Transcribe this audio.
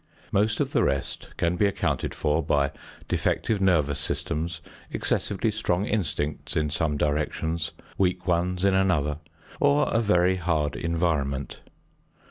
Most of the rest can be accounted for by defective nervous systems, excessively strong instincts in some directions, weak ones in another, or a very hard environment.